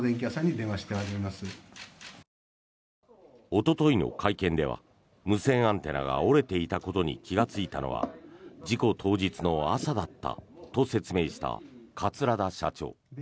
おとといの会見では無線アンテナが折れていたことに気がついたのは事故当日の朝だったと説明した桂田社長。